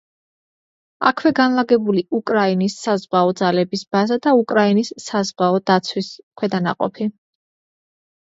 აქვე განლაგებული უკრაინის საზღვაო ძალების ბაზა და უკრაინის საზღვაო დაცვის ქვედანაყოფი.